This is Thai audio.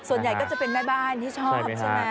ส่วนใหญ่ก็จะเป็นแม่บ้านที่ชอบใช่ไหม